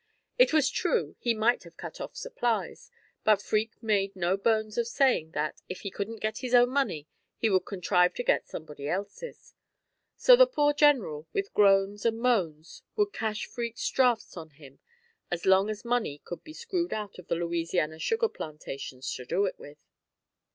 It was true, he might have cut off supplies, but Freke made no bones of saying that, if he couldn't get his own money, he would contrive to get somebody else's; so the poor general, with groans and moans, would cash Freke's drafts on him as long as money could be screwed out of the Louisiana sugar plantations to do it with.